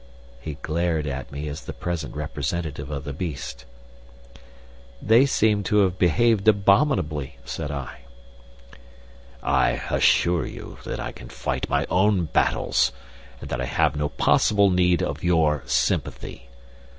He glared at me as the present representative of the beast. "They seem to have behaved abominably," said I. "I assure you that I can fight my own battles, and that I have no possible need of your sympathy.